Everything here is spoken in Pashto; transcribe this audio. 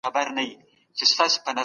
انسان بايد خپل بدن پاک وساتي.